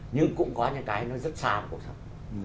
nhưng cũng có những cái nó rất xa vào cuộc sống